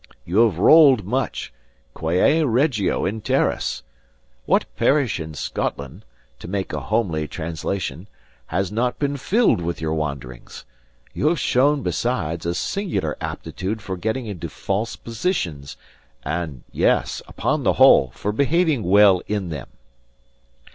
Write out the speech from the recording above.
You have rolled much; quae regio in terris what parish in Scotland (to make a homely translation) has not been filled with your wanderings? You have shown, besides, a singular aptitude for getting into false positions; and, yes, upon the whole, for behaving well in them.